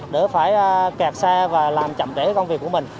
để phải kẹt xe và làm chậm trễ công việc của mình